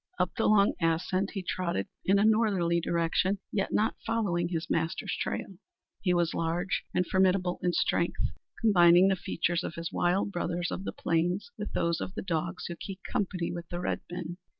Up the long ascent he trotted in a northerly direction, yet not following his master's trail. He was large and formidable in strength, combining the features of his wild brothers of the plains with those of the dogs who keep company with the red men.